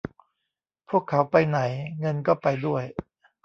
พวกเขาไปไหนเงินก็ไปด้วย